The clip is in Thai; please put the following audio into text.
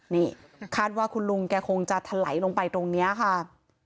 นี่คาดว่าคุณลุงแกคงจะถลายลงไปตรงนี้ค่ะ